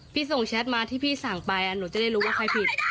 ส่งแชทมาที่พี่สั่งไปหนูจะได้รู้ว่าใครผิด